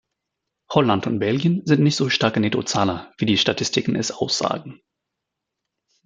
Holland und Belgien sind nicht so starke Nettozahler, wie die Statistiken es aussagen.